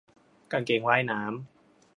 กางเกงว่ายน้ำ